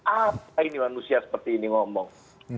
apa ini manusia seperti ini ngomong